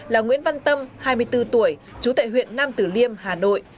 là nguyễn văn tâm hai mươi bốn tuổi chú tại huyện nam tử liêm hà nội